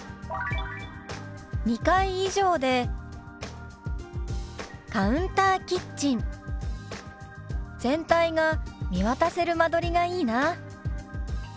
「２階以上でカウンターキッチン全体が見渡せる間取りがいいな」。